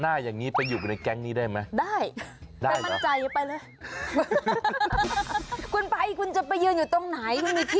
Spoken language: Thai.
หน้าอย่างนี้ไปอยู่ในแก๊งนี้ได้ไหม